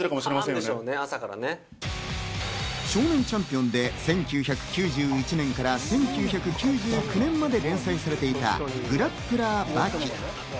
『少年チャンピオン』で１９９１年から１９９９年まで連載されていた『グラップラー刃牙』。